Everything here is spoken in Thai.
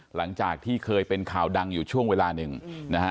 หลังจากที่เคยเป็นข่าวดังอยู่ช่วงเวลาหนึ่งนะฮะ